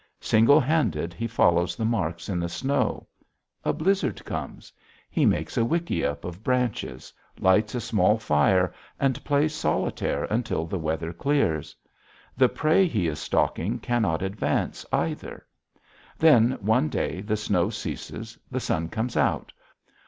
Single handed he follows the marks in the snow. A blizzard comes. He makes a wikiup of branches, lights a small fire, and plays solitaire until the weather clears. The prey he is stalking cannot advance either. Then one day the snow ceases; the sun comes out.